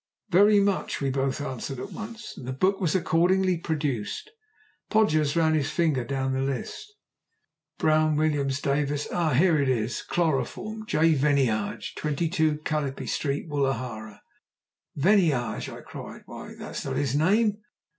"Very much," we both answered at once, and the book was accordingly produced. Podgers ran his finger down the list. "Brown, Williams, Davis ah! here it is. 'Chloroform: J. Venneage, 22, Calliope Street, Woolahra.'" "Venneage!" I cried. "Why, that's not his name!"